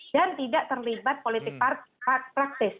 dan tidak terlibat politik politik